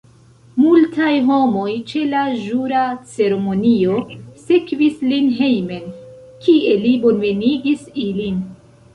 Multaj homoj ĉe la ĵura ceremonio sekvis lin hejmen, kie li bonvenigis ilin.